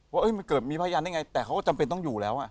ว่ามันเกิดมีพยานได้ไงแต่เขาก็จำเป็นต้องอยู่แล้ว